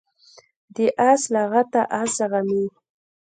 د آس لغته آس زغمي.